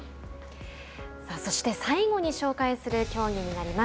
そして最後に紹介する競技になります。